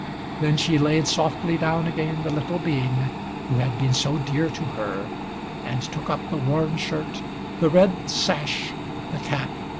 Then she laid softly down again the little being who had been so dear to her, and took up the worn shirt, the red sash, the cap.